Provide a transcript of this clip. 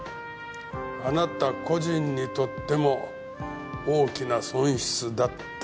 あなた個人にとっても大きな損失だった。